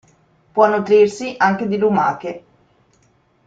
Può nutrirsi anche di lumache.